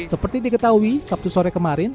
seperti diketahui sabtu sore kemarin